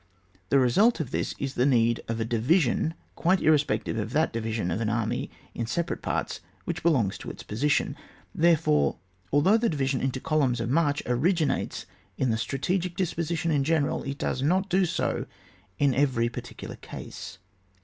The result of this is the need of a division quite irrespective of that division of an army in separate parts which belongs to its position ; therefore, although the division into columns of march ori ginates in the strategic disposition in general, it does not do so in every par ticular case.